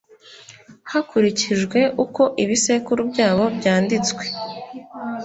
hakurikijwe uko ibisekuru byabo byanditswe